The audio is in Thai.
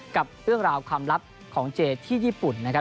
กับเรื่องราวความลับของเจที่ญี่ปุ่นนะครับ